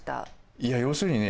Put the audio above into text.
いや要するにね